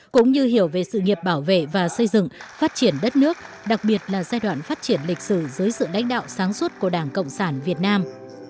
cũng như hiểu về sự nghiệp bảo vệ và xây dựng phát triển đất nước đặc biệt là giai đoạn phát triển lịch sử dưới sự đánh đạo sáng suốt của đảng cộng sản việt nam